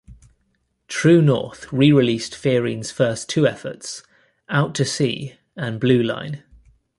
True North re-released Fearing's first two efforts "Out to Sea" and "Blue Line".